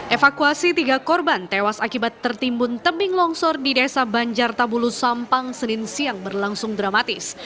evakuasi tiga korban tewas akibat tertimbun tebing longsor di desa banjar tabulu sampang senin siang berlangsung dramatis